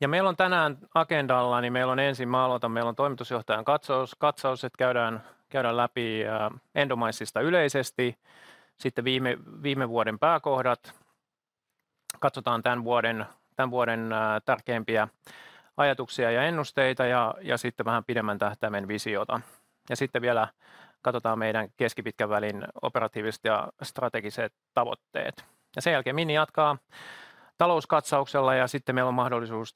Jaa, meillä on tänään agendalla, niin meillä on ensin mä aloitan. Meillä on toimitusjohtajan katsaus, että käydään läpi Endominesista yleisesti. Sitten viime vuoden pääkohdat. Katsotaan tämän vuoden tärkeimpiä ajatuksia ja ennusteita ja sitten vähän pidemmän tähtäimen visiota. Ja sitten vielä katsotaan meidän keskipitkän välin operatiiviset ja strategiset tavoitteet. Ja sen jälkeen Minni jatkaa talouskatsauksella ja sitten meillä on mahdollisuus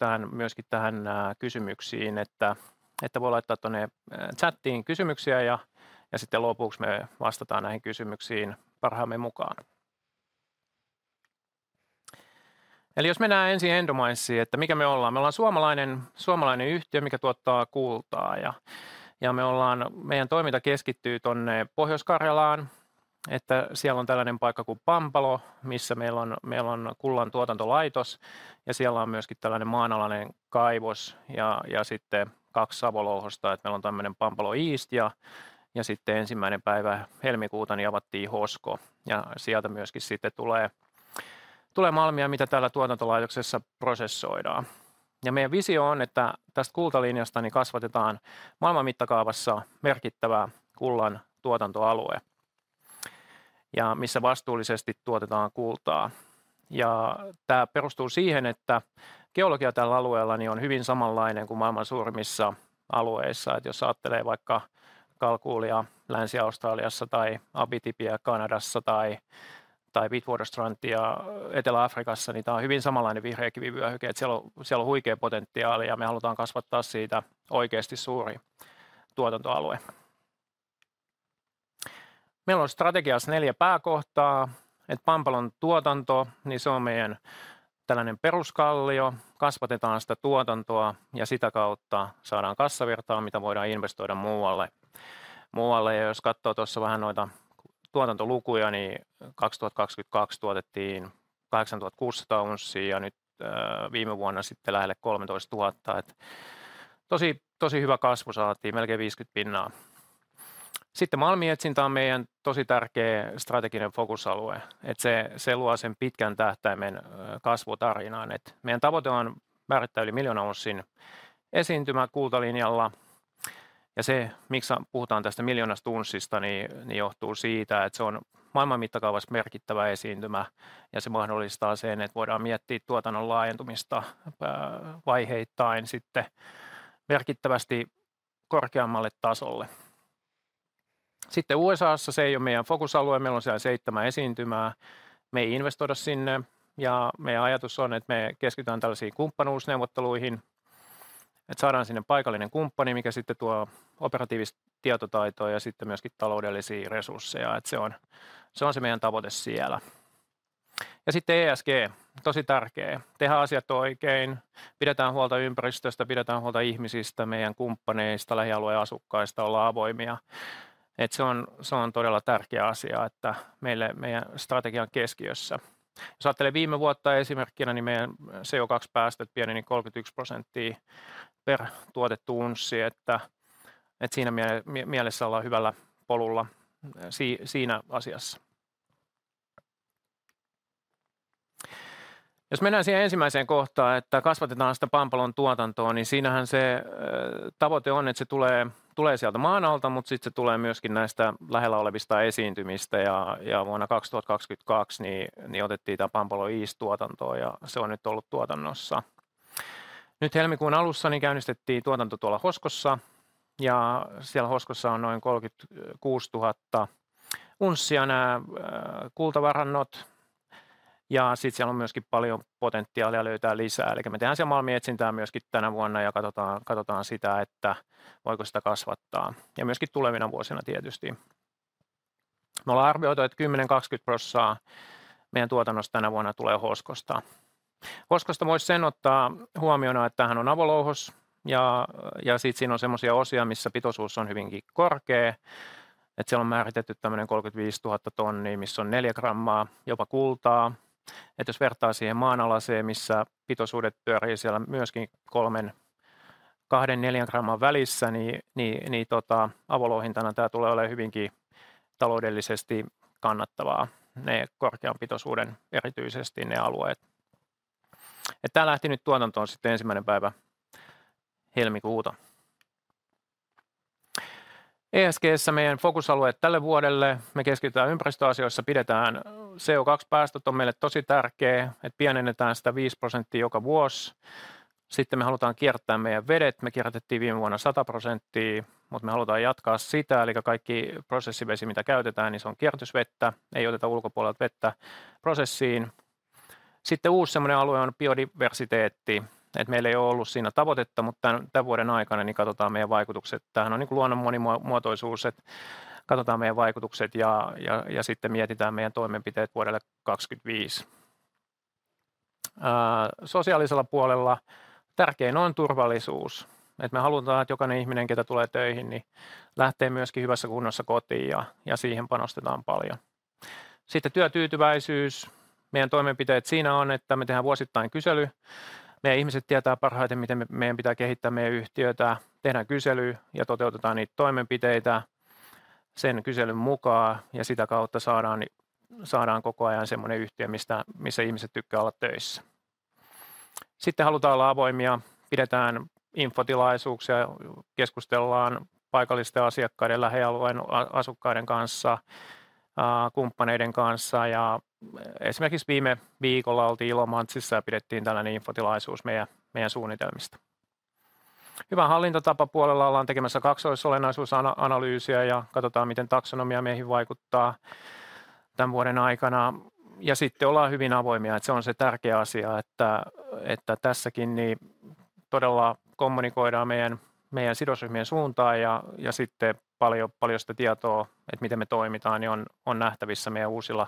kysymyksiin, että voi laittaa tuonne chattiin kysymyksiä ja sitten lopuksi me vastataan näihin kysymyksiin parhaamme mukaan. Jos mennään ensin Endominesiin, että mikä me ollaan? Me ollaan suomalainen yhtiö, mikä tuottaa kultaa ja meidän toiminta keskittyy tuonne Pohjois-Karjalaan. Siellä on tällainen paikka kuin Pampalo, missä meillä on kullan tuotantolaitos ja siellä on myöskin maanalainen kaivos ja sitten kaksi avolouhosta. Meillä on tämmöinen Pampalo East ja sitten ensimmäinen päivä helmikuuta avattiin Hosko ja sieltä myöskin tulee malmia, mitä täällä tuotantolaitoksessa prosessoidaan. Meidän visio on, että tästä kultalinjasta kasvatetaan maailman mittakaavassa merkittävää kullan tuotantoalue, missä vastuullisesti tuotetaan kultaa. Tämä perustuu siihen, että geologia tällä alueella on hyvin samanlainen kuin maailman suurimmissa alueissa. Jos ajattelee vaikka Kalkulia Länsi-Australiassa tai Abitibiä Kanadassa tai Witwatersrandia Etelä-Afrikassa, niin tämä on hyvin samanlainen vihreä kivivyöhyke. Siellä on huikea potentiaali ja me halutaan kasvattaa siitä oikeasti suuri tuotantoalue. Meillä on strategiassa neljä pääkohtaa, että Pampalon tuotanto on meidän tällainen peruskallio. Kasvatetaan sitä tuotantoa ja sitä kautta saadaan kassavirtaa, mitä voidaan investoida muualle. Jos katsoo tuossa vähän noita tuotantolukuja, niin 2022 tuotettiin 8,600 unssia ja nyt viime vuonna sitten lähelle 13,000, että tosi hyvä kasvu saatiin melkein 50%. Sitten malminetsintä on meidän tosi tärkeä strateginen fokusalue, että se luo sen pitkän tähtäimen kasvutarinan. Meidän tavoite on määrittää yli miljoonan unssin esiintymä kultalinjalla. Se, miksi puhutaan tästä miljoonasta unssista, johtuu siitä, että se on maailman mittakaavassa merkittävä esiintymä ja se mahdollistaa sen, että voidaan miettiä tuotannon laajentumista vaiheittain sitten merkittävästi korkeammalle tasolle. Sitten USA:ssa se ei ole meidän fokusalue. Meillä on siellä seitsemän esiintymää. Me ei investoida sinne ja meidän ajatus on, että me keskitytään tällaisiin kumppanuusneuvotteluihin, että saadaan sinne paikallinen kumppani, mikä sitten tuo operatiivista tietotaitoa ja sitten myöskin taloudellisia resursseja. Se on se meidän tavoite siellä. Sitten ESG. Tosi tärkeää tehdä asiat oikein. Pidetään huolta ympäristöstä, pidetään huolta ihmisistä, meidän kumppaneista, lähialueen asukkaista. Ollaan avoimia. Se on todella tärkeä asia, että meille meidän strategian keskiössä. Jos ajattelee viime vuotta esimerkkinä, niin meidän CO2-päästöt pieneni kolmekymmentä prosenttia per tuotettu unssi, että siinä mielessä ollaan hyvällä polulla siinä asiassa. Jos mennään siihen ensimmäiseen kohtaan, että kasvatetaan sitä Pampalon tuotantoa, niin siinähän se tavoite on, että se tulee sieltä maan alta, mutta sitten se tulee myöskin näistä lähellä olevista esiintymistä. Vuonna 2022 niin otettiin tämä Pampalo East tuotantoon ja se on nyt ollut tuotannossa. Nyt helmikuun alussa niin käynnistettiin tuotanto tuolla Hoskossa ja siellä Hoskossa on noin kolmekymmentäkuusi tuhatta unssia nää kultavarannot. Sitten siellä on myöskin paljon potentiaalia löytää lisää. Eli me tehdään siellä malminetsintää myöskin tänä vuonna ja katsotaan sitä, että voiko sitä kasvattaa ja myöskin tulevina vuosina tietysti. Me ollaan arvioitu, että kymmenen, kaksikymmentä prosenttia meidän tuotannosta tänä vuonna tulee Hoskosta. Hoskosta voisi sen ottaa huomioon, että tämähän on avolouhos ja sitten siinä on semmoisia osia, missä pitoisuus on hyvinkin korkea. Siellä on määritelty tämmöinen kolkytviisituhatta tonnia, missä on neljä grammaa jopa kultaa. Jos vertaa siihen maanalaiseen, missä pitoisuudet pyörii siellä myöskin kolmen, kahden, neljän gramman välissä, niin avolouhintana tää tulee olemaan hyvinkin taloudellisesti kannattavaa. Ne korkean pitoisuuden, erityisesti ne alueet. Tää lähti nyt tuotantoon sitten ensimmäinen päivä helmikuuta. ESG:ssä meidän fokusalueet tälle vuodelle. Me keskitytään ympäristöasioissa, pidetään... CO2-päästöt on meille tosi tärkeä, että pienennetään sitä 5% joka vuosi. Sitten me halutaan kiertää meidän vedet. Me kierrätettiin viime vuonna 100%, mutta me halutaan jatkaa sitä. Kaikki prosessivesi, mitä käytetään, niin se on kierrätysvettä. Ei oteta ulkopuolelta vettä prosessiin. Sitten uusi sellainen alue on biodiversiteetti. Meillä ei ole ollut siinä tavoitetta, mutta tän vuoden aikana niin katsotaan meidän vaikutukset. Tämähän on niin kuin luonnon monimuotoisuus. Katsotaan meidän vaikutukset ja sitten mietitään meidän toimenpiteet vuodelle 2025. Sosiaalisella puolella tärkein on turvallisuus. Me halutaan, että jokainen ihminen, ketä tulee töihin, niin lähtee myöskin hyvässä kunnossa kotiin ja siihen panostetaan paljon. Sitten työtyytyväisyys. Meidän toimenpiteet siinä on, että me tehdään vuosittain kysely. Meidän ihmiset tietää parhaiten, miten meidän pitää kehittää meidän yhtiötä. Tehdään kysely ja toteutetaan niitä toimenpiteitä sen kyselyn mukaan, ja sitä kautta saadaan koko ajan semmonen yhtiö, mistä, missä ihmiset tykkää olla töissä. Sitten halutaan olla avoimia. Pidetään infotilaisuuksia, keskustellaan paikallisten asiakkaiden, lähialueen asukkaiden kanssa, kumppaneiden kanssa ja esimerkiksi viime viikolla oltiin Ilomantsissa ja pidettiin tällainen infotilaisuus meidän suunnitelmista. Hyvän hallintotavan puolella ollaan tekemässä kaksoisolennaisuusanalyysiä ja katotaan, miten taksonomia meihin vaikuttaa tän vuoden aikana. Sitten ollaan hyvin avoimia, että se on se tärkeä asia, että tässäkin niin todella kommunikoidaan meidän sidosryhmien suuntaan. Ja, ja sitten paljon, paljon sitä tietoa, että miten me toimitaan, niin on nähtävissä meidän uusilla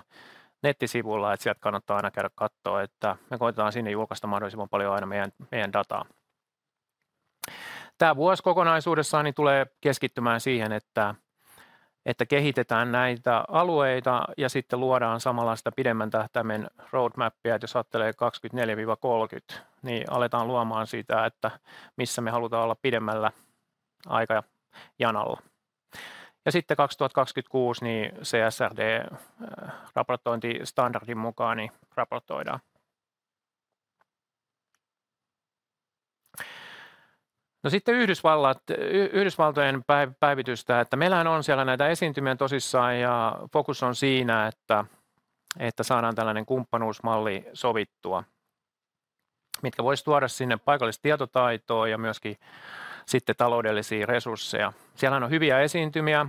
nettisivuilla. Sieltä kannattaa aina käydä katsomaan, että me koitetaan sinne julkaista mahdollisimman paljon aina meidän dataa. Tämä vuosi kokonaisuudessaan niin tulee keskittymään siihen, että kehitetään näitä alueita ja sitten luodaan samalla sitä pidemmän tähtäimen roadmapia. Jos ajattelee 2024-2030, niin aletaan luomaan sitä, että missä me halutaan olla pidemmällä aikajanalla. Ja sitten 2026, niin CSRD-raportointistandardin mukaan raportoidaan. Sitten Yhdysvallat. Yhdysvaltojen päivitystä, että meillähän on siellä näitä esiintymiä tosissaan ja fokus on siinä, että saadaan tällainen kumppanuusmalli sovittua, mitkä voisi tuoda sinne paikallistietotaitoa ja myöskin sitten taloudellisia resursseja. Siellähän on hyviä esiintymiä.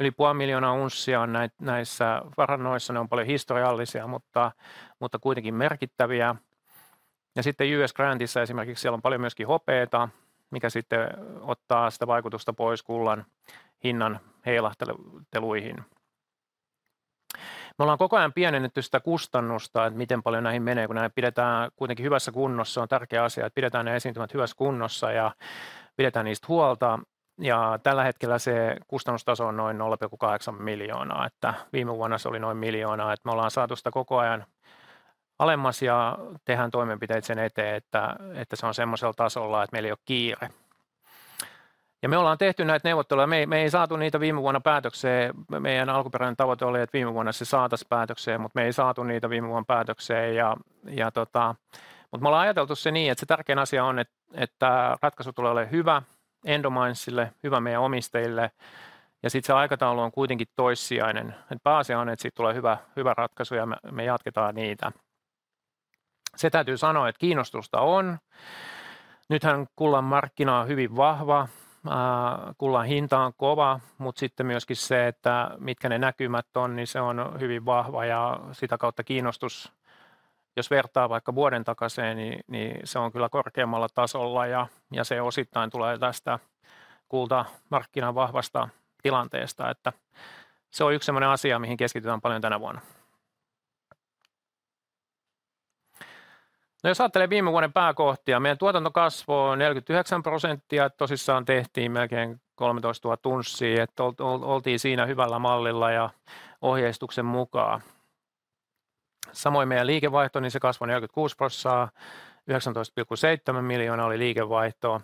Yli puoli miljoonaa unssia on näissä varannoissa. Ne on paljon historiallisia, mutta kuitenkin merkittäviä. Ja sitten US Grantissa esimerkiksi siellä on paljon myöskin hopeaa, mikä sitten ottaa sitä vaikutusta pois kullan hinnan heilahteluihin. Me ollaan koko ajan pienennetty sitä kustannusta, että miten paljon näihin menee, kun näitä pidetään kuitenkin hyvässä kunnossa. On tärkeä asia, että pidetään ne esiintymät hyvässä kunnossa ja pidetään niistä huolta. Ja tällä hetkellä se kustannustaso on noin €0.8 miljoonaa, että viime vuonna se oli noin miljoona. Me ollaan saatu sitä koko ajan alemmas ja tehdään toimenpiteet sen eteen, että se on semmoisella tasolla, että meillä ei ole kiire. Me ollaan tehty näitä neuvotteluja. Me ei saatu niitä viime vuonna päätökseen. Meidän alkuperäinen tavoite oli, että viime vuonna se saataisiin päätökseen, mutta me ei saatu niitä viime vuonna päätökseen. Mutta me ollaan ajateltu se niin, että se tärkein asia on, että ratkaisu tulee olemaan hyvä Endominesille, hyvä meidän omistajille. Sitten se aikataulu on kuitenkin toissijainen. Pääasia on, että siitä tulee hyvä ratkaisu ja me jatketaan niitä. Se täytyy sanoa, että kiinnostusta on. Nyt kullan markkina on hyvin vahva. Kullan hinta on kova, mutta sitten myös se, että mitkä ne näkymät on, niin se on hyvin vahva ja sitä kautta kiinnostus. Jos vertaa vaikka vuoden takaiseen, niin se on kyllä korkeammalla tasolla ja se osittain tulee tästä kultamarkkinan vahvasta tilanteesta, että se on yksi sellainen asia, mihin keskitytään paljon tänä vuonna. Jos ajattelee viime vuoden pääkohtia, meidän tuotanto kasvoi 47%. Tosissaan tehtiin melkein 13,000 unssia, että oltiin siinä hyvällä mallilla ja ohjeistuksen mukaan. Samoin meidän liikevaihto, niin se kasvoi 46%. €19.7 miljoonaa oli liikevaihtoa.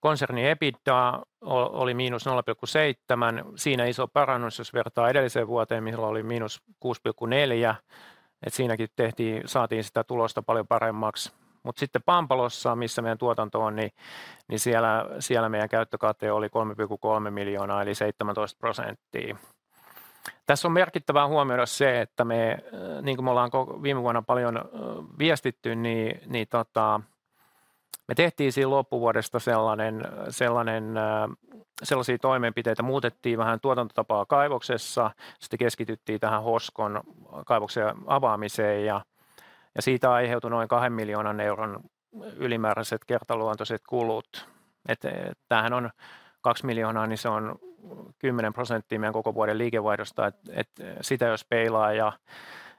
Konsernin EBITDA oli -€0.7. Siinä iso parannus, jos vertaa edelliseen vuoteen, missä oli -€6.4. Siinäkin tehtiin, saatiin sitä tulosta paljon paremmaksi. Mutta sitten Pampalossa, missä meidän tuotanto on, siellä meidän käyttökate oli 3,3 miljoonaa eli 17%. Tässä on merkittävää huomioida se, että me, niin kun me ollaan viime vuonna paljon viestitty, me tehtiin siinä loppuvuodesta sellaisia toimenpiteitä. Muutettiin vähän tuotantotapaa kaivoksessa. Sitten keskityttiin tähän Hoskon kaivoksen avaamiseen ja siitä aiheutui noin kahden miljoonan euron ylimääräiset kertaluontoiset kulut. Tämähän on kaksi miljoonaa, se on 10% meidän koko vuoden liikevaihdosta. Sitä jos peilaa ja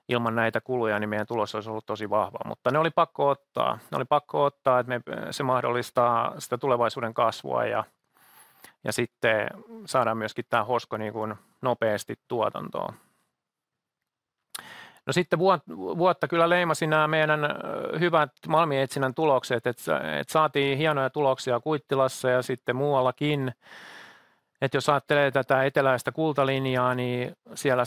ilman näitä kuluja, meidän tulos olisi ollut tosi vahva, mutta ne oli pakko ottaa. Ne oli pakko ottaa, että se mahdollistaa sitä tulevaisuuden kasvua ja sitten saadaan myöskin tämä Hosko nopeasti tuotantoon. Vuotta kyllä leimasi nämä meidän hyvät malminetsinnän tulokset, että saatiin hienoja tuloksia Kuittilassa ja sitten muuallakin. Jos ajattelee tätä eteläistä kultalinjaa, niin siellä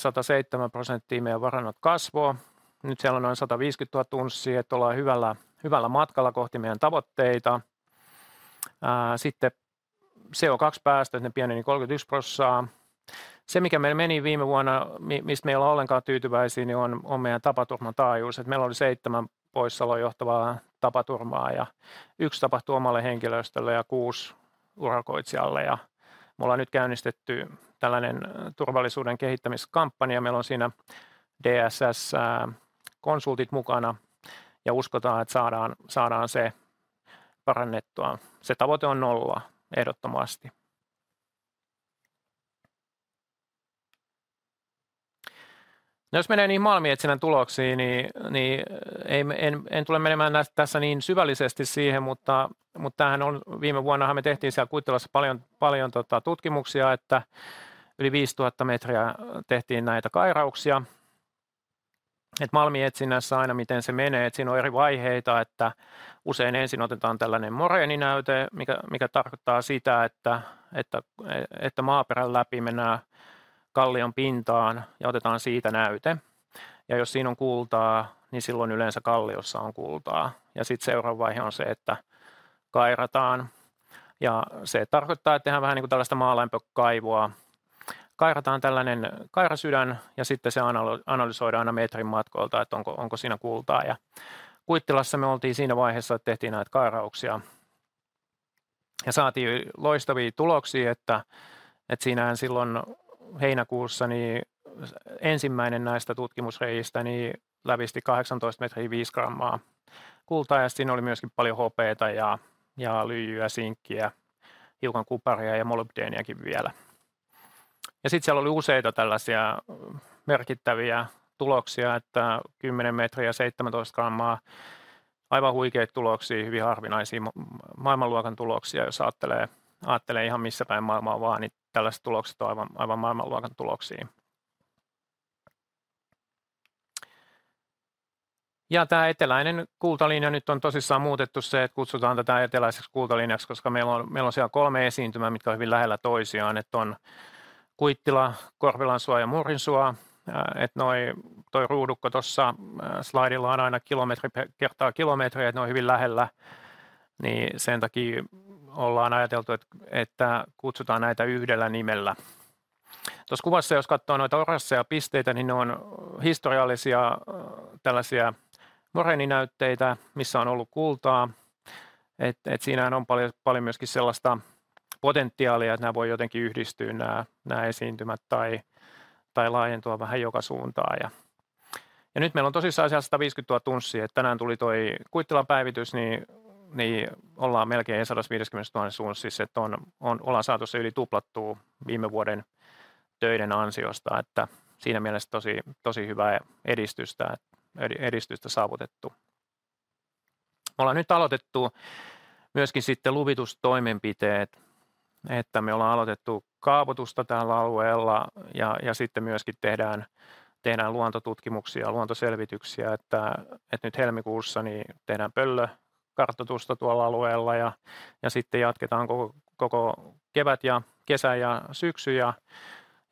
107% meidän varannot kasvoi. Nyt siellä on noin 125,000 unssia, että ollaan hyvällä matkalla kohti meidän tavoitteita. Sitten CO2-päästöt, ne pienenivät 30%. Se, mikä meillä meni viime vuonna, mistä me ei olla ollenkaan tyytyväisiä, niin on meidän tapaturmataajuus. Meillä oli seitsemän poissaoloon johtavaa tapaturmaa ja yksi tapahtui omalle henkilöstölle ja kuusi urakoitsijalle. Me ollaan nyt käynnistetty tällainen turvallisuuden kehittämiskampanja ja meillä on siinä DSS-konsultit mukana ja uskotaan, että saadaan se parannettua. Se tavoite on nolla. Ehdottomasti. Jos menee niihin malminetsinnän tuloksiin, niin en tule menemään tässä niin syvällisesti siihen. Mutta tämähän on... Viime vuonna me tehtiin siellä Kuittilassa paljon tutkimuksia, että yli viisituhatta metriä tehtiin näitä kairauksia. Malminetsinnässä aina miten se menee, siinä on eri vaiheita, että usein ensin otetaan tällainen moreeninäyte, mikä tarkoittaa sitä, että maaperän läpi mennään kallion pintaan ja otetaan siitä näyte. Jos siinä on kultaa, niin silloin yleensä kalliossa on kultaa. Seuraava vaihe on se, että kairataan. Se tarkoittaa, että tehdään vähän niin kuin tällaista maalämpökaivoa. Kairataan tällainen kairasydän ja sitten se analysoidaan aina metrin matkoilta, että onko siinä kultaa. Kuittilassa me oltiin siinä vaiheessa, että tehtiin näitä kairauksia, ja saatiin loistavia tuloksia, että siinä silloin heinäkuussa, niin ensimmäinen näistä tutkimusrei'istä lävisti kahdeksantoista metriin viisi grammaa kultaa ja siinä oli myöskin paljon hopeaa ja lyijyä, sinkkiä, hiukan kuparia ja molybdeeniakin vielä. Ja siellä oli useita tällaisia merkittäviä tuloksia, että kymmenen metriä, seitsemäntoista grammaa. Aivan huikeita tuloksia, hyvin harvinaisia maailmanluokan tuloksia. Jos ajattelee, ajattelee ihan missä päin maailmaa vaan, niin tällaiset tulokset ovat aivan, aivan maailmanluokan tuloksia. Ja tämä eteläinen kultalinja nyt on tosissaan muutettu se, että kutsutaan tätä eteläiseksi kultalinjaksi, koska meillä on, meillä on siellä kolme esiintymää, mitkä ovat hyvin lähellä toisiaan, että on Kuittila, Korpilansuo ja Murinsuo. Että nuo, tuo ruudukko tuossa slaidilla on aina kilometri kertaa kilometri, että ne ovat hyvin lähellä, niin sen takia ollaan ajateltu, että kutsutaan näitä yhdellä nimellä. Tuossa kuvassa, jos katsoo noita oransseja pisteitä, niin ne ovat historiallisia tällaisia moreeninäytteitä, missä on ollut kultaa. Että, että siinähän on paljon, paljon myöskin sellaista potentiaalia, että nämä voivat jotenkin yhdistyä nämä, nämä esiintymät tai, tai laajentua vähän joka suuntaan. Ja nyt meillä on tosissaan siellä sataviisikymmentä tuhatta unssia. Tänään tuli toi Kuittilan päivitys, niin ollaan melkein sataviisikymmenessä tuhannessa unssissa. Ollaan saatu se yli tuplattua viime vuoden töiden ansioista, että siinä mielessä tosi hyvää edistystä saavutettu. Me ollaan nyt aloitettu myöskin luvitustoimenpiteet, että me ollaan aloitettu kaavoitusta täällä alueella ja sitten myöskin tehdään luontotutkimuksia ja luontoselvityksiä. Nyt helmikuussa tehdään pöllökartoitusta tuolla alueella ja sitten jatketaan koko kevät ja kesä ja syksy, ja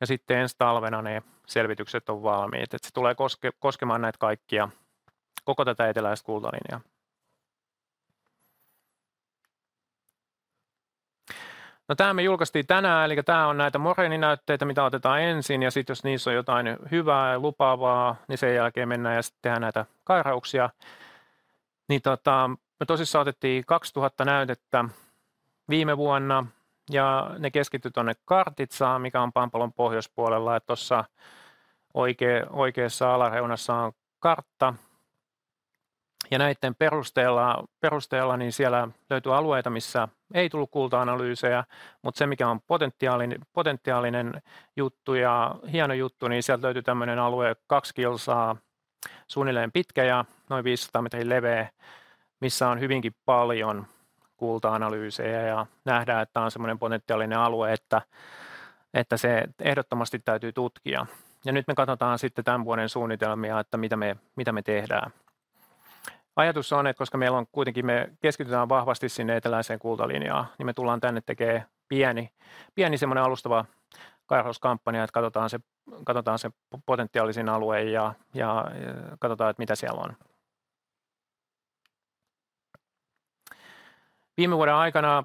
sitten ensi talvena ne selvitykset on valmiit. Se tulee koskemaan näitä kaikkia, koko tätä eteläistä kultalinjaa. Tää me julkaistiin tänään. Tää on näitä moreeninäytteitä, mitä otetaan ensin ja sitten jos niissä on jotain hyvää ja lupaavaa, niin sen jälkeen mennään ja tehdään näitä kairauksia. Me tosissaan otettiin kaksituhatta näytettä viime vuonna, ja ne keskittyi tuonne Kartitsaan, mikä on Pampalon pohjoispuolella. Ja sitten oikeassa alareunassa on kartta, ja näiden perusteella siellä löytyy alueita, missä ei tullut kulta-analyyseja. Mutta se, mikä on potentiaalinen juttu ja hieno juttu, niin sieltä löytyi tämmöinen alue, kaksi kilometriä suunnilleen pitkä ja noin viisisataa metriä leveä, missä on hyvinkin paljon kulta-analyyseja ja nähdään, että tämä on sellainen potentiaalinen alue, että se ehdottomasti täytyy tutkia. Nyt me katsotaan sitten tämän vuoden suunnitelmia, että mitä me tehdään. Ajatus on, että koska meillä on kuitenkin, me keskitytään vahvasti sinne eteläiseen kultalinjaan, niin me tullaan tänne tekemään pieni sellainen alustava kairauskampanja, että katsotaan se potentiaalisin alue ja katsotaan, että mitä siellä on. Viime vuoden aikana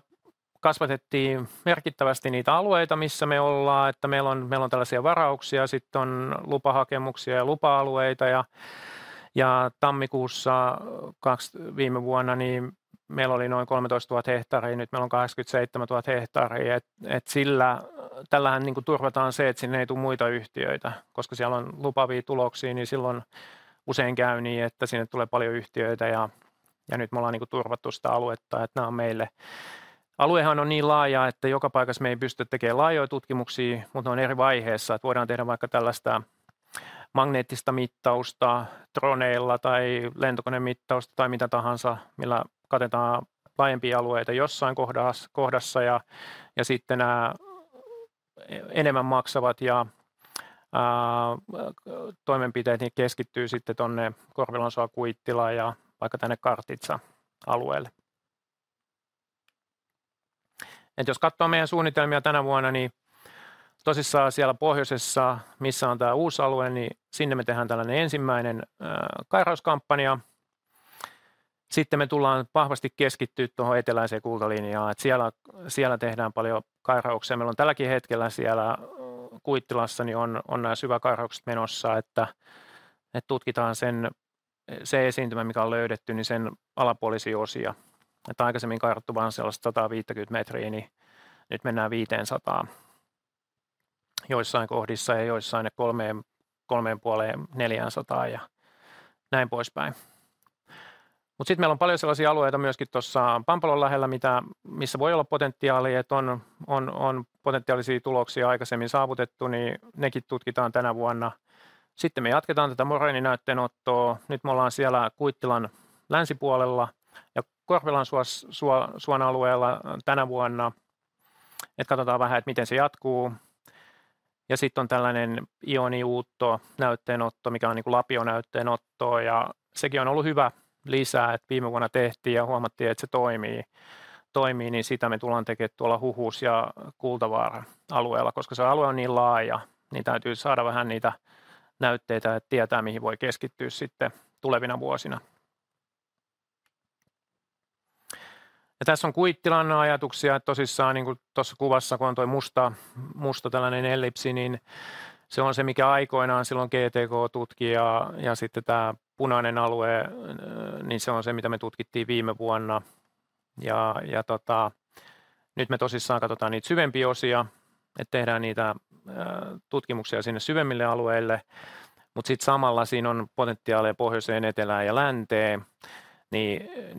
kasvatettiin merkittävästi niitä alueita, missä me ollaan, että meillä on tällaisia varauksia ja sitten on lupahakemuksia ja lupa-alueita, ja tammikuussa viime vuonna meillä oli noin kolmetoista tuhatta hehtaaria. Nyt meillä on kahdeksankymmentäseitsemän tuhatta hehtaaria. Sillä tällähän turvataan se, että sinne ei tule muita yhtiöitä, koska siellä on lupaavia tuloksia, niin silloin usein käy niin, että sinne tulee paljon yhtiöitä. Nyt me ollaan turvattu sitä aluetta, että nämä on meille. Alue on niin laaja, että joka paikassa me ei pystytä tekemään laajoja tutkimuksia, mutta ne on eri vaiheessa. Voidaan tehdä vaikka tällaista magneettista mittausta droneilla tai lentokone mittausta tai mitä tahansa, millä katetaan laajempia alueita jossain kohdassa, ja sitten nämä enemmän maksavat toimenpiteet keskittyy sitten tuonne Korpilansuo-Kuittilaan ja vaikka tänne Kartitsa-alueelle. Jos katsoo meidän suunnitelmia tänä vuonna, niin tosissaan siellä pohjoisessa, missä on tämä uusi alue, niin sinne me tehdään tällainen ensimmäinen kairauskampanja. Sitten me tullaan vahvasti keskittymään tuohon eteläiseen kultalinjaan, siellä tehdään paljon kairauksia. Meillä on tälläkin hetkellä siellä Kuittilassa on nää syväkairaukset menossa, että tutkitaan sen esiintymä, mikä on löydetty, niin sen alapuolisia osia. On aikaisemmin kairattu vaan sellaiset sataviisikymmentä metriä, niin nyt mennään viiteensataan joissain kohdissa ja joissain kolmeen puoleen, neljäänsataan ja näin poispäin. Mutta sitten meillä on paljon sellaisia alueita myöskin tuossa Pampalon lähellä, missä voi olla potentiaalia, on potentiaalisia tuloksia aikaisemmin saavutettu, niin nekin tutkitaan tänä vuonna. Sitten me jatketaan tätä moreeninäytteenottoa. Nyt me ollaan siellä Kuittilan länsipuolella ja Korpilansuas-suon alueella tänä vuonna. Katsotaan vähän, miten se jatkuu. Ja sitten on tällainen ioniuuttonäytteenotto, mikä on niinkuin lapionäytteenottoa, ja sekin on ollut hyvä lisä, viime vuonna tehtiin ja huomattiin, että se toimii, niin sitä me tullaan tekemään tuolla Huhus ja Kultavaaran alueella. Koska se alue on niin laaja, täytyy saada vähän niitä näytteitä, että tietää mihin voi keskittyä sitten tulevina vuosina. Ja tässä on Kuittilan ajatuksia. Tosissaan, tuossa kuvassa, kun on tuo musta ellipsi, se on se, mikä aikoinaan silloin GTK tutki. Ja sitten tämä punainen alue, se on se, mitä me tutkittiin viime vuonna. Ja nyt me tosissaan katsotaan niitä syvempiä osia, että tehdään niitä tutkimuksia sinne syvemmille alueille, mutta sitten samalla siinä on potentiaalia pohjoiseen, etelään ja länteen.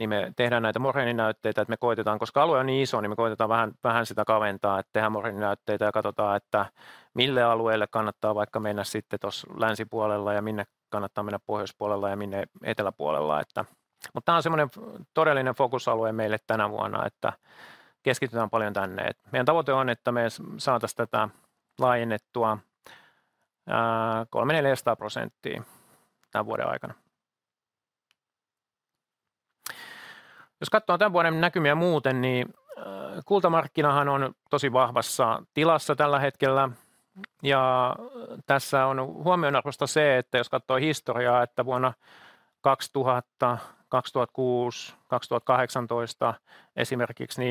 Me tehdään näitä morheeninäytteitä, että me koitetaan, koska alue on niin iso, me koitetaan vähän sitä kaventaa, että tehdään morheeninäytteitä ja katsotaan, että mille alueelle kannattaa mennä sitten tuossa länsipuolella ja minne kannattaa mennä pohjoispuolella ja minne eteläpuolella. Mutta tämä on sellainen todellinen fokusalue meille tänä vuonna, että keskitytään paljon tänne. Meidän tavoite on, että me saataisiin tätä laajennettua kolme-, neljäsataa prosenttia tämän vuoden aikana. Jos katsoo tämän vuoden näkymiä muuten, niin kultamarkkinahan on todella vahvassa tilassa tällä hetkellä, ja tässä on huomionarvoista se, että jos katsoo historiaa, että vuonna 2000, 2006, 2018 esimerkiksi,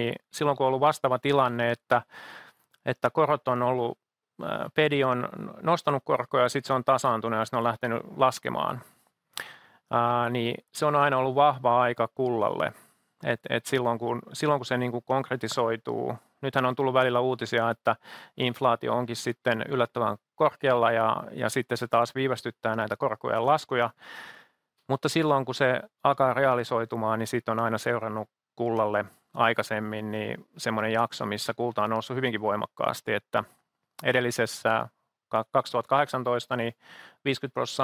niin silloin kun on ollut vastaava tilanne, että korot on ollut, FED on nostanut korkoja ja sitten se on tasaantunut ja sitten ne on lähteneet laskemaan, niin se on aina ollut vahva aika kullalle. Silloin kun se konkretisoituu. Nyt on tullut välillä uutisia, että inflaatio onkin sitten yllättävän korkealla ja sitten se taas viivästyttää näitä korkojen laskuja. Mutta silloin, kun se alkaa realisoitumaan, niin siitä on aina seurannut kullalle aikaisemmin semmonen jakso, missä kulta on noussut hyvinkin voimakkaasti. Edellisessä 2018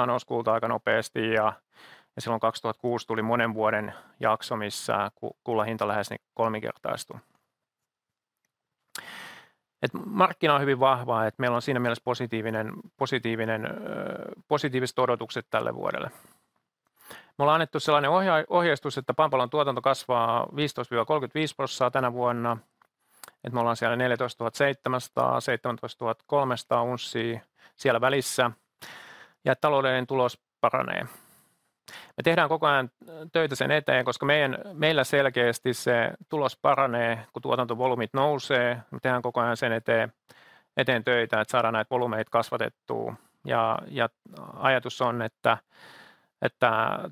50% nousi kulta aika nopeesti, ja silloin 2009 tuli monen vuoden jakso, missä kullan hinta lähes kolminkertaistui. Markkinat ovat hyvin vahvat, meillä on siinä mielessä positiiviset odotukset tälle vuodelle. Me ollaan annettu sellainen ohjeistus, että Pampalan tuotanto kasvaa 15-35% tänä vuonna. Me ollaan siellä 14 700-17 300 unssia siellä välissä, ja taloudellinen tulos paranee. Me tehdään koko ajan töitä sen eteen, koska meillä selkeästi se tulos paranee, kun tuotantovolyymit nousee. Me tehdään koko ajan sen eteen töitä, että saadaan näitä volyymeja kasvatettua. Ajatus on, että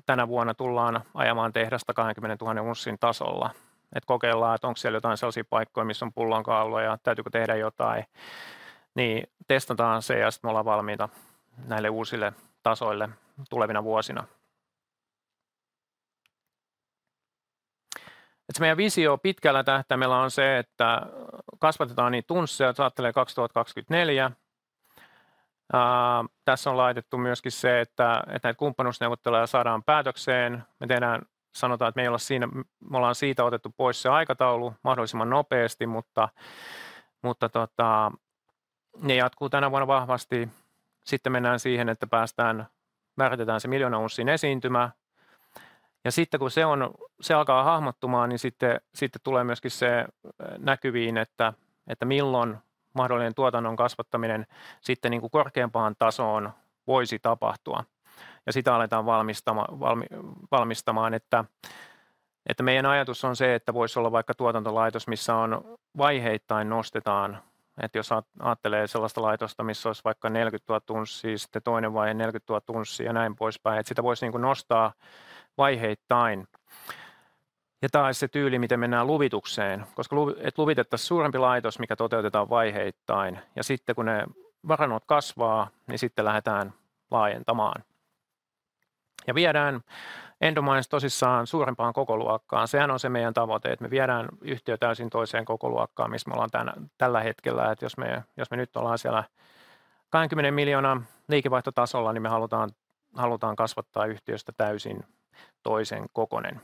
tänä vuonna tullaan ajamaan tehdasta 20 000 unssin tasolla. Kokeillaan, onko siellä jotain sellaisia paikkoja, missä on pullonkauloja ja täytyykö tehdä jotain, niin testataan se ja sitten me ollaan valmiita näille uusille tasoille tulevina vuosina. Se meidän visio pitkällä tähtäimellä on se, että kasvatetaan niitä unsseja. Jos ajattelee 2024. Tässä on laitettu myöskin se, että näitä kumppanuusneuvotteluja saadaan päätökseen. Me tehdään... sanotaan, että me ei olla siinä, me ollaan siitä otettu pois se aikataulu mahdollisimman nopeasti, mutta ne jatkuu tänä vuonna vahvasti. Sitten mennään siihen, että päästään, määrätetään se miljoona unssin esiintymä, ja sitten kun se alkaa hahmottumaan, niin sitten tulee myöskin se näkyviin, että milloin mahdollinen tuotannon kasvattaminen sitten korkeampaan tasoon voisi tapahtua, ja sitä aletaan valmistamaan. Meidän ajatus on se, että voisi olla vaikka tuotantolaitos, missä vaiheittain nostetaan. Jos ajattelee sellaista laitosta, missä olisi vaikka neljäkymmentätuhatta unssia, sitten toinen vaihe neljäkymmentätuhatta unssia ja näin poispäin, että sitä voisi nostaa vaiheittain. Tämä olisi se tyyli, miten mennään luvitukseen, koska luvitettaisiin suurempi laitos, mikä toteutetaan vaiheittain ja sitten kun ne varannot kasvaa, niin sitten lähdetään laajentamaan ja viedään Endomines tosissaan suurempaan kokoluokkaan. Sehän on se meidän tavoite, että me viedään yhtiötä täysin toiseen kokoluokkaan, missä me ollaan tänä hetkellä. Jos me nyt ollaan siellä kahdenkymmenen miljoonan liikevaihtotasolla, niin me halutaan kasvattaa yhtiöstä täysin toisen kokoinen.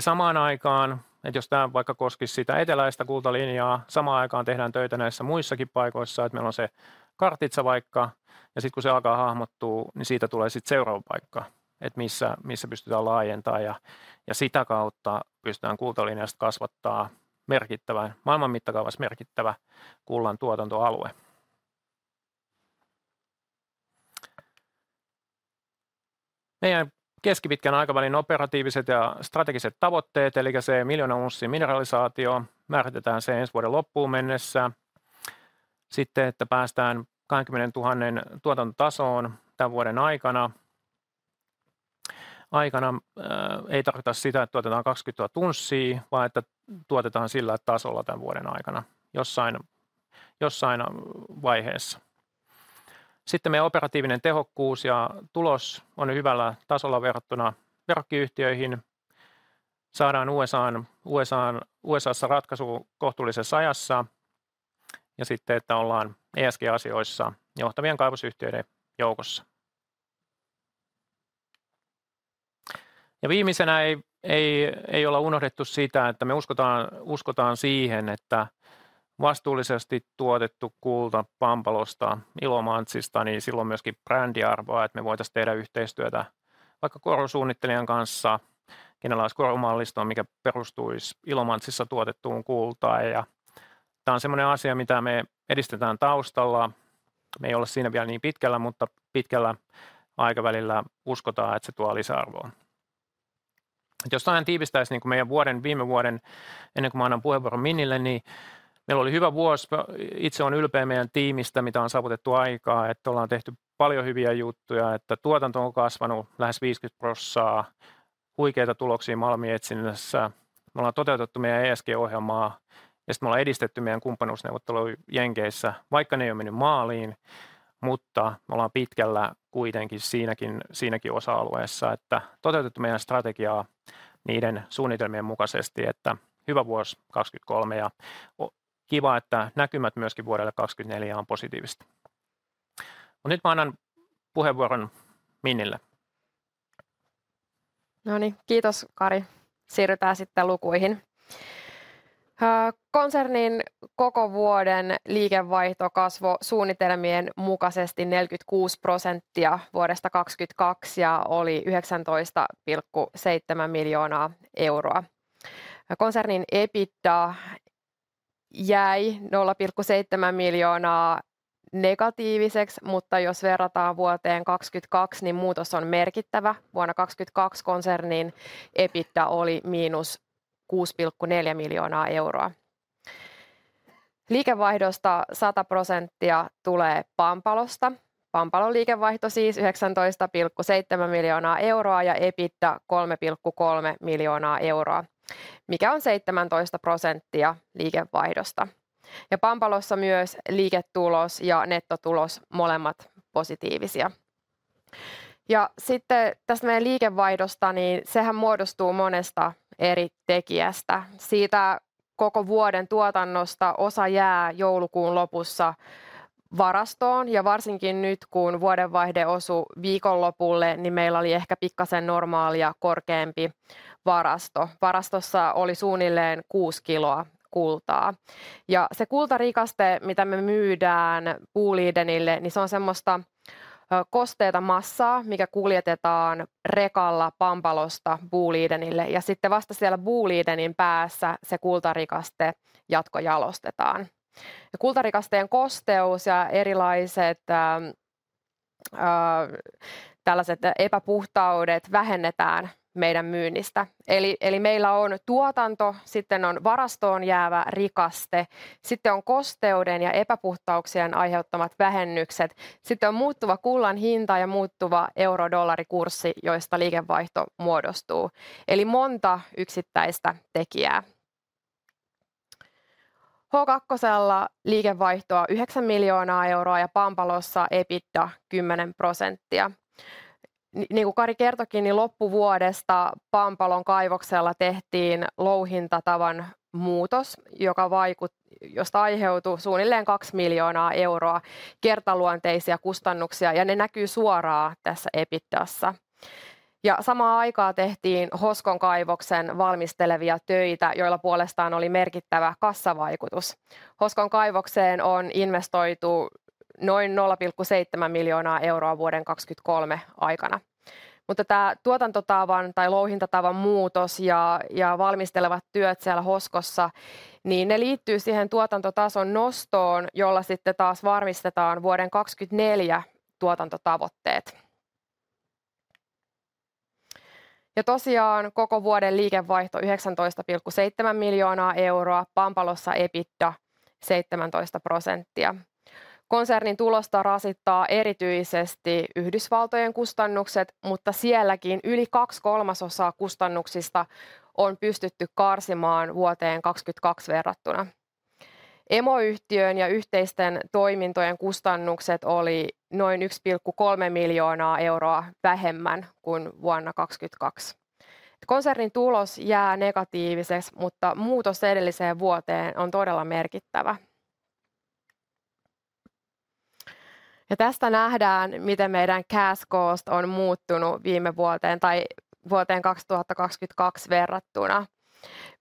Samaan aikaan, jos tämä vaikka koskisi sitä eteläistä kultalinjaa, samaan aikaan tehdään töitä näissä muissakin paikoissa, että meillä on se Kartitsa vaikka, ja sitten kun se alkaa hahmottua, niin siitä tulee seuraava paikka, missä pystytään laajentamaan ja sitä kautta pystytään kultalinjasta kasvattamaan merkittävästi, maailman mittakaavassa merkittävä kullan tuotantoalue. Meidän keskipitkän aikavälin operatiiviset ja strategiset tavoitteet. Se miljoona unssin mineralisaatio määrätetään ensi vuoden loppuun mennessä. Sitten päästään 20 000 tuotantotasoon tämän vuoden aikana. Aikana ei tarkoita sitä, että tuotetaan 22 000 unssia, vaan että tuotetaan sillä tasolla tämän vuoden aikana jossain vaiheessa. Sitten meidän operatiivinen tehokkuus ja tulos on hyvällä tasolla verrattuna verrokkiryhtiöihin. Saadaan USA:ssa ratkaisu kohtuullisessa ajassa. Ja sitten ollaan ESG-asioissa johtavien kaivosyhtiöiden joukossa. Viimeisenä ei ole unohdettu sitä, että me uskomme siihen, että vastuullisesti tuotettu kulta Pampalosta, Ilomantsista, sillä on myöskin brändiarvoa, että me voitaisiin tehdä yhteistyötä vaikka korusuunnittelijan kanssa, kenellä olisi korumallisto, mikä perustuisi Ilomantsissa tuotettuun kultaan. Ja tämä on sellainen asia, mitä me edistämme taustalla. Me ei olla siinä vielä niin pitkällä, mutta pitkällä aikavälillä uskomme, että se tuo lisäarvoa. Jos jotain tiivistäis niinku meidän vuoden, viime vuoden ennen kuin mä annan puheenvuoron Minnille, niin meillä oli hyvä vuosi. Itse oon ylpeä meidän tiimistä, mitä on saavutettu aikaan, että ollaan tehty paljon hyviä juttuja, että tuotanto on kasvanut lähes 50%. Huikeita tuloksia malminetsinnässä. Me ollaan toteutettu meidän ESG-ohjelmaa ja sit me ollaan edistetty meidän kumppanuusneuvotteluja Jenkeissä, vaikka ne ei oo menny maaliin. Mutta me ollaan pitkällä kuitenkin siinäkin, siinäkin osa-alueessa, että toteutettu meidän strategiaa niiden suunnitelmien mukasesti. Että hyvä vuosi 2023 ja kiva, että näkymät myöskin vuodelle 2024 on positiiviset. Mut nyt mä annan puheenvuoron Minnille. No niin, kiitos Kari! Siirrytään sitten lukuihin. Konsernin koko vuoden liikevaihto kasvoi suunnitelmien mukaisesti 46% vuodesta 2022 ja oli €19.7 miljoonaa. Konsernin EBITDA jäi €-0.7 miljoonaa negatiiviseksi, mutta jos verrataan vuoteen 2022, niin muutos on merkittävä. Vuonna 2022 konsernin EBITDA oli €-6.4 miljoonaa. Liikevaihdosta 100% tulee Pampalosta. Pampalon liikevaihto siis €19.7 miljoonaa ja EBITDA €3.3 miljoonaa, mikä on 17% liikevaihdosta. Pampalossa myös liiketulos ja nettotulos molemmat positiivisia. Sitten tästä meidän liikevaihdosta, niin se muodostuu monesta eri tekijästä. Siitä koko vuoden tuotannosta osa jää joulukuun lopussa varastoon ja varsinkin nyt, kun vuodenvaihde osui viikonlopulle, niin meillä oli ehkä hieman normaalia korkeampi varasto. Varastossa oli suunnilleen kuusi kiloa kultaa, ja se kultarikaste, mitä me myydään Bolidenille, niin se on sellaista kosteaa massaa, mikä kuljetetaan rekalla Pampalosta Bolidenille ja sitten vasta siellä Bolidenin päässä se kultarikaste jatkojalostetaan. Kultarikasteen kosteus ja erilaiset epäpuhtaudet vähennetään meidän myynnistä. Meillä on tuotanto, sitten on varastoon jäävä rikaste, sitten on kosteuden ja epäpuhtauksien aiheuttamat vähennykset. Sitten on muuttuva kullan hinta ja muuttuva eurodollarikurssi, joista liikevaihto muodostuu. Monta yksittäistä tekijää. H2:lla liikevaihtoa €9 miljoonaa ja Pampalossa EBITDA 10%. Kuten Kari kertoikin, niin loppuvuodesta Pampalon kaivoksella tehtiin louhintatavan muutos, josta aiheutui suunnilleen €2 miljoonaa kertaluonteisia kustannuksia ja ne näkyvät suoraan tässä EBITDA:ssa. Samaan aikaan tehtiin Hoskon kaivoksen valmistelevia töitä, joilla puolestaan oli merkittävä kassavaikutus. Hoskon kaivokseen on investoitu noin €0,7 miljoonaa vuoden 2023 aikana. Mutta tää tuotantotavan tai louhintatavan muutos ja valmistelevat työt siellä Hoskossa liittyy siihen tuotantotason nostoon, jolla sitten taas varmistetaan vuoden 2024 tuotantotavoitteet. Tosiaan, koko vuoden liikevaihto 19,7 miljoonaa euroa. Pampalossa EBITDA 17%. Konsernin tulosta rasittaa erityisesti Yhdysvaltojen kustannukset, mutta sielläkin yli kaksi kolmasosaa kustannuksista on pystytty karsimaan vuoteen 2022 verrattuna. Emoyhtiön ja yhteisten toimintojen kustannukset oli noin 1,3 miljoonaa euroa vähemmän kuin vuonna 2022. Konsernin tulos jää negatiiviseksi, mutta muutos edelliseen vuoteen on todella merkittävä. Tästä nähdään, miten meidän cash cost on muuttunut viime vuoteen tai vuoteen 2022 verrattuna.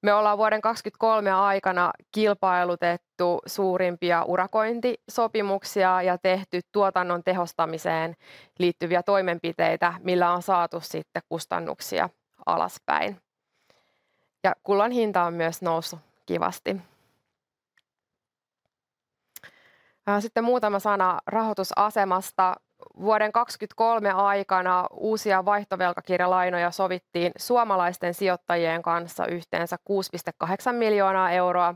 Me ollaan vuoden 2023 aikana kilpailutettu suurimpia urakointisopimuksia ja tehty tuotannon tehostamiseen liittyviä toimenpiteitä, millä on saatu sitten kustannuksia alaspäin. Kullan hinta on myös noussut kivasti. Sitten muutama sana rahoitusasemasta. Vuoden 2023 aikana uusia vaihtovelkakirjalainoja sovittiin suomalaisten sijoittajien kanssa yhteensä 6,8 miljoonaa euroa,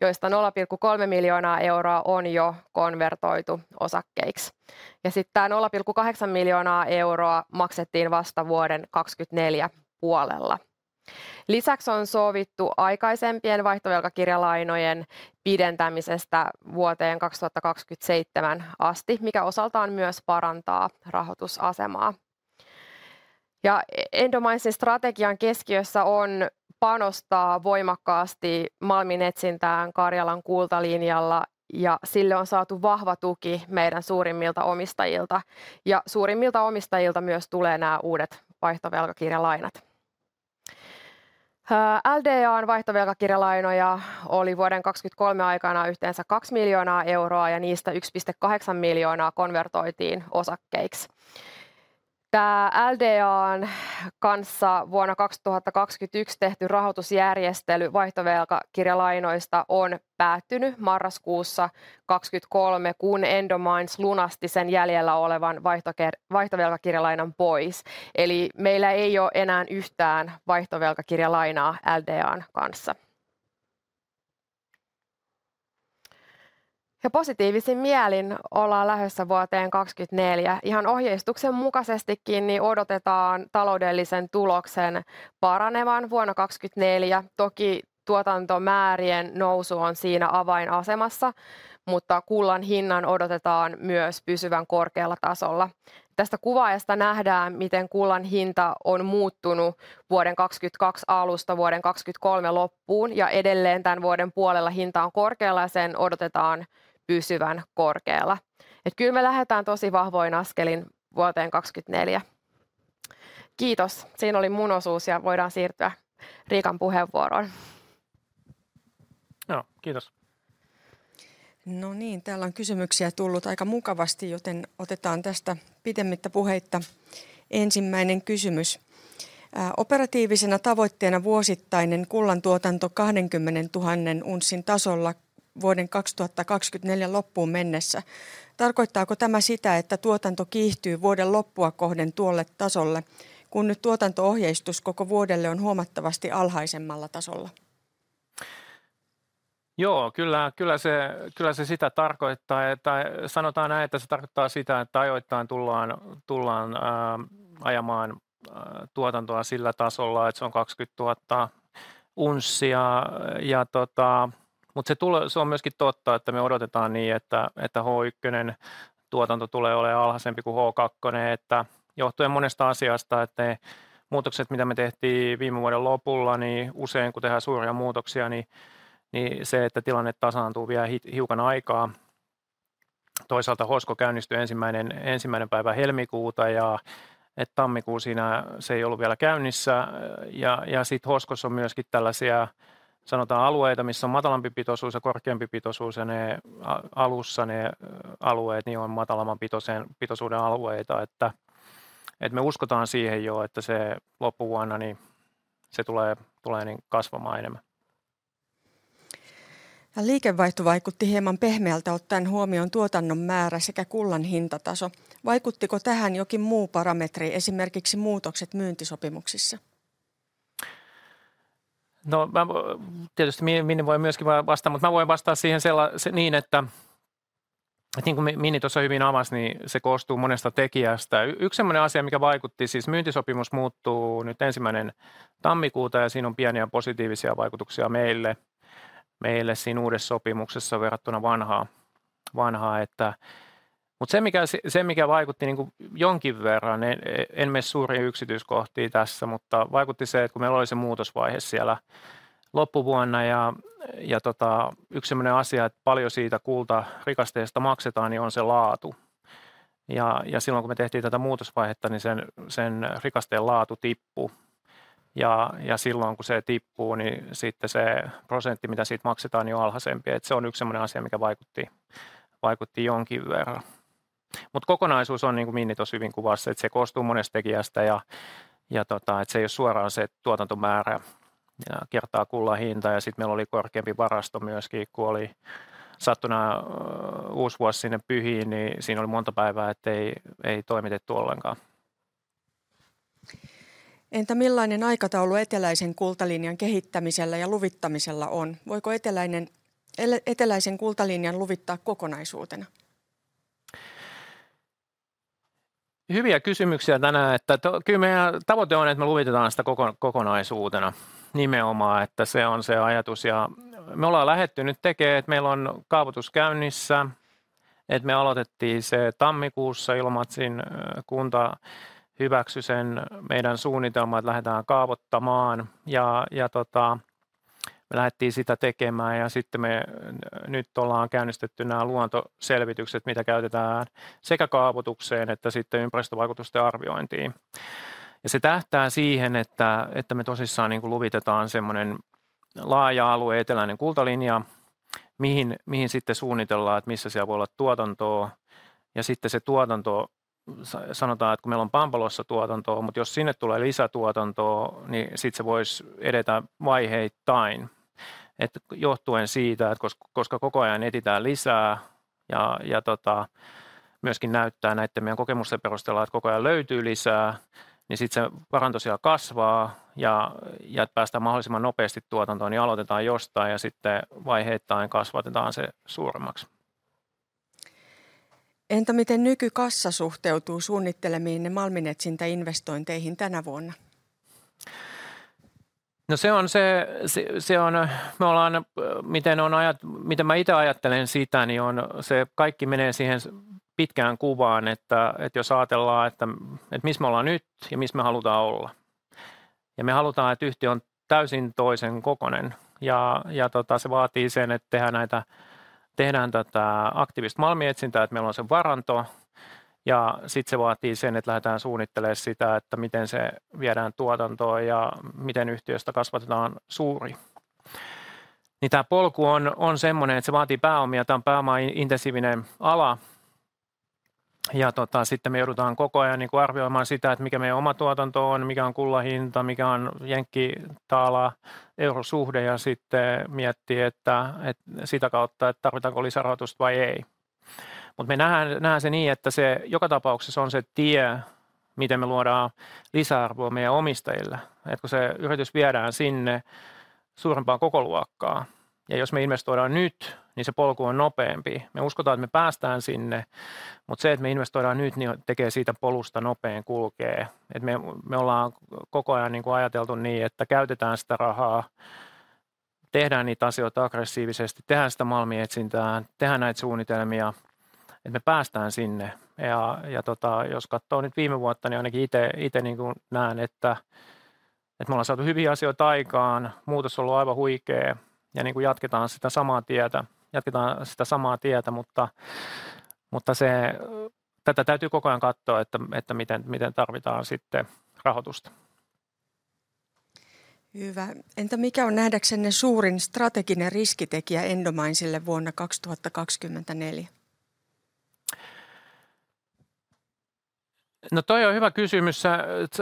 joista 0,3 miljoonaa euroa on jo konvertoitu osakkeiksi. Tämä 0,8 miljoonaa euroa maksettiin vasta vuoden 2024 puolella. Lisäksi on sovittu aikaisempien vaihtovelkakirjalainojen pidentämisestä vuoteen 2027 asti, mikä osaltaan myös parantaa rahoitusasemaa. Endominesin strategian keskiössä on panostaa voimakkaasti malminetsintään Karjalan kultalinjalla, ja sille on saatu vahva tuki suurimmilta omistajilta ja suurimmilta omistajilta myös tulee nämä uudet vaihtovelkakirjalainat. LDA:n vaihtovelkakirjalainoja oli vuoden 2023 aikana yhteensä 2 miljoonaa euroa, ja niistä 1,8 miljoonaa konvertoitiin osakkeiksi. Tämä LDA:n kanssa vuonna 2021 tehty rahoitusjärjestely vaihtovelkakirjalainoista on päättynyt marraskuussa 2023, kun Endomines lunasti sen jäljellä olevan vaihtovelkakirjalainan pois. Meillä ei ole enää yhtään vaihtovelkakirjalainaa LDA:n kanssa. Positiivisin mielin ollaan lähössä vuoteen 2024. Ohjeistuksen mukaisesti odotetaan taloudellisen tuloksen paranevan vuonna 2024. Toki tuotantomäärien nousu on siinä avainasemassa, mutta kullan hinnan odotetaan myös pysyvän korkealla tasolla. Tästä kuvaajasta nähdään, miten kullan hinta on muuttunut vuoden 2022 alusta vuoden 2023 loppuun, ja edelleen tämän vuoden puolella hinta on korkealla ja sen odotetaan pysyvän korkeella. Kyllä me lähdetään tosi vahvoin askelin vuoteen 2024. Kiitos! Siinä oli minun osuus, ja voidaan siirtyä Riikan puheenvuoroon. Joo, kiitos. No niin, täällä on kysymyksiä tullut aika mukavasti, joten otetaan tästä pitemmittä puheitta ensimmäinen kysymys. Operatiivisena tavoitteena vuosittainen kullantuotanto 20,000 unssin tasolla vuoden 2024 loppuun mennessä. Tarkoittaako tämä sitä, että tuotanto kiihtyy vuoden loppua kohden tuolle tasolle, kun nyt tuotanto-ohjeistus koko vuodelle on huomattavasti alhaisemmalla tasolla? Joo, kyllä, kyllä se, kyllä se sitä tarkoittaa. Sanotaan näin, että se tarkoittaa sitä, että ajoittain tullaan ajamaan tuotantoa sillä tasolla, että se on kaksikymmentätuhatta unssia. Mutta se tulee... Se on myös totta, että me odotetaan niin, että H1 tuotanto tulee olemaan alhaisempi kuin H2, että johtuen monesta asiasta, että ne muutokset, mitä me tehtiin viime vuoden lopulla, niin usein, kun tehdään suuria muutoksia, niin se, että tilanne tasaantuu, vie hiukan aikaa. Toisaalta Hosko käynnistyi ensimmäinen päivä helmikuuta, ja että tammikuu siinä se ei ollut vielä käynnissä. Ja sitten Hoskossa on myös tällaisia, sanotaan alueita, missä on matalampi pitoisuus ja korkeampi pitoisuus, ja ne alussa ne alueet niin on matalamman pitoisuuden alueita, että me uskotaan siihen joo, että se loppuvuonna, niin se tulee kasvamaan enemmän. Liikevaihto vaikutti hieman pehmeältä, ottaen huomioon tuotannon määrän sekä kullan hintatason. Vaikuttiko tähän jokin muu parametri, esimerkiksi muutokset myyntisopimuksissa? No, mä voin... Tietysti Minni voi myös vastata, mut mä voin vastata siihen sillä tavalla, että niin kuin Minni tuossa hyvin avasi, niin se koostuu monesta tekijästä. Yksi sellainen asia, mikä vaikutti, siis myyntisopimus muuttuu nyt ensimmäinen tammikuuta, ja siinä on pieniä positiivisia vaikutuksia meille siinä uudessa sopimuksessa verrattuna vanhaan, että... Mutta se, mikä vaikutti niinkuin jonkin verran, en mene suuriin yksityiskohtiin tässä, mutta vaikutti se, että kun meillä oli se muutosvaihe siellä loppuvuonna. Ja yksi sellainen asia, että paljon siitä kultarikasteesta maksetaan, niin on se laatu. Ja silloin kun me tehtiin tätä muutosvaihetta, niin sen rikasteen laatu tippui, ja silloin kun se tippuu, niin sitten se prosentti, mitä siitä maksetaan, on alhaisempi. Se on yksi sellainen asia, mikä vaikutti jonkin verran. Mutta kokonaisuus on niin kuin Minni tuossa hyvin kuvaisi, että se koostuu monesta tekijästä, ja että se ei ole suoraan se tuotantomäärä kertaa kullan hinta. Ja sitten meillä oli korkeampi varasto myöskin, kun oli sattunut uudenvuoden sinne pyhiin, niin siinä oli monta päivää, että ei toimitettu ollenkaan. Entä millainen aikataulu eteläisen kultalinjan kehittämisellä ja luvittamisella on? Voiko eteläisen kultalinjan luvittaa kokonaisuutena? Hyviä kysymyksiä tänään. Kyllä meidän tavoite on, että me luvitetaan sitä kokonaisuutena. Nimenomaan, että se on se ajatus, ja me ollaan lähdetty nyt tekemään, että meillä on kaavoitus käynnissä, että me aloitettiin se tammikuussa. Ilmajoen kunta hyväksyi sen meidän suunnitelman, että lähdetään kaavoittamaan, ja me lähdettiin sitä tekemään, ja sitten me nyt ollaan käynnistetty nämä luontoselvitykset, mitä käytetään sekä kaavoitukseen että sitten ympäristövaikutusten arviointiin. Ja se tähtää siihen, että me tosissaan luvitetaan semmonen laaja alue, eteläinen kultalinja, mihin sitten suunnitellaan, että missä siellä voi olla tuotantoa. Ja sitten se tuotanto, sanotaan, että kun meillä on Pampalossa tuotantoa, mutta jos sinne tulee lisätuotantoa, niin sitten se voisi edetä vaiheittain. Ja johtuen siitä, että koska koko ajan etsitään lisää, ja myöskin näyttää näitten meidän kokemusten perusteella, että koko ajan löytyy lisää, niin sitten se varanto siellä kasvaa, ja että päästään mahdollisimman nopeasti tuotantoon, niin aloitetaan jostain ja sitten vaiheittain kasvatetaan se suuremmaksi. Entä miten nykykassa suhteutuu suunnittelemiinne malminetsintäinvestointeihin tänä vuonna? Se on se, se on... Me ollaan, miten on ajat-, miten mä itse ajattelen sitä, niin se kaikki menee siihen pitkään kuvaan, että jos aatellaan, että missä me ollaan nyt ja missä me halutaan olla. Ja me halutaan, että yhtiö on täysin toisen kokoinen, ja se vaatii sen, että tehdään näitä... tehdään tätä aktiivista malminetsintää, että meillä on se varanto, ja sitten se vaatii sen, että lähdetään suunnittelemaan sitä, että miten se viedään tuotantoon ja miten yhtiöstä kasvatetaan suuri. Niin tää polku on semmonen, että se vaatii pääomia. Tää on pääomaintensiivinen ala. Ja sitten me joudutaan koko ajan arvioimaan sitä, että mikä meidän oma tuotanto on, mikä on kullan hinta, mikä on jenkki-dollari-eurosuhde, ja sitten miettii sitä kautta, että tarvitaanko lisärahoitusta vai ei. Mut me nähdään, nähdään se niin, että se joka tapauksessa on se tie, miten me luodaan lisäarvoa meidän omistajille. Kun se yritys viedään sinne suurempaan kokoluokkaan, ja jos me investoidaan nyt, niin se polku on nopeempi. Me uskotaan, että me päästään sinne, mut se, että me investoidaan nyt, niin tekee siitä polusta nopeammin kulkevan. Me ollaan koko ajan ajateltu niin, että käytetään sitä rahaa, tehdään niitä asioita aggressiivisesti, tehdään sitä malminetsintää, tehdään näitä suunnitelmia, että me päästään sinne. Jos katsoo nyt viime vuotta, niin ainakin itse näen, että me ollaan saatu hyviä asioita aikaan. Muutos on ollut aivan huikea, ja jatketaan sitä samaa tietä. Jatketaan sitä samaa tietä, mutta tätä täytyy koko ajan katsoa, että miten tarvitaan sitten rahoitusta. Hyvä! Entä mikä on nähdäksenne suurin strateginen riskitekijä Endominesille vuonna 2024? No, toi on hyvä kysymys.